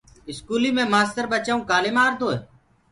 اسڪولي مي مآستر ٻچآئون ڪآلي مآردوئي